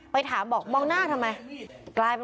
ไปถามบอกมองหน้าทำไม